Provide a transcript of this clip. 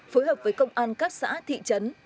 phối hợp với công an các xã thị trấn